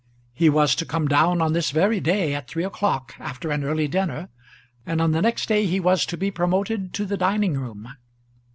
He was to come down on this very day at three o'clock, after an early dinner, and on the next day he was to be promoted to the dining room.